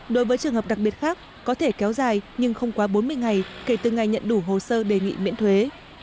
đối với trường hợp đặc biệt khác có thể kéo dài nhưng không quá bốn mươi ngày kể từ ngày nhận đủ hồ sơ đề nghị miễn thuế